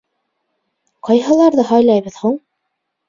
— Ҡайһыларҙы һайлайбыҙ һуң?